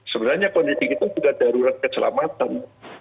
sebenarnya kondisi itu juga darurat keselamatan